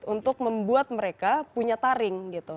untuk membuat mereka punya taring gitu